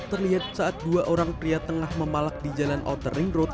terlihat saat dua orang pria tengah memalak di jalan outer ring road